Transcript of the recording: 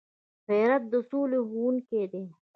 غیرت د سولي خوښونکی دی